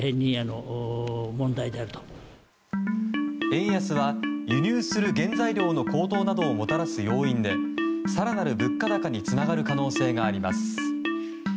円安は輸入する原材料の高騰などをもたらす要因で更なる物価高につながる可能性があります。